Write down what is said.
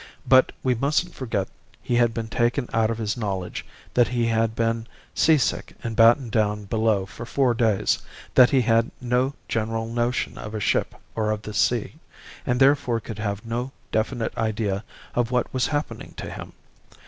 But we mustn't forget he had been taken out of his knowledge, that he had been sea sick and battened down below for four days, that he had no general notion of a ship or of the sea, and therefore could have no definite idea of what was happening to him.